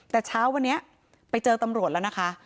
แต่เช้าวันนี้ไปเจอตำรวจแล้วนะคะ